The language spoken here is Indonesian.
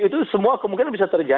itu semua kemungkinan bisa kita pastikan